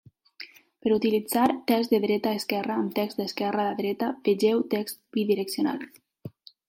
Per utilitzar text de dreta a esquerra amb text d'esquerra a dreta, vegeu text bidireccional.